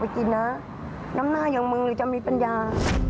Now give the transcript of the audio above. มากินนะน้ำหน้าอย่างมึงเลยจำมีปัญญา